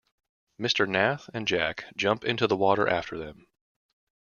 Mr. Nath and Jack jump into the water after them.